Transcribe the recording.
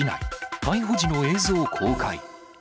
逮捕時の映像公開。